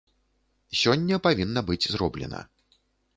Сёння павінна быць зроблена.